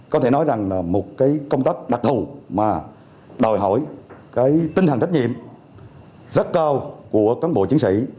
có thể nói là một công tác đặc thù mà đòi hỏi tinh thần trách nhiệm rất cao của cán bộ chiến sĩ